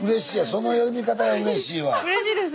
その呼び方がうれしいわ。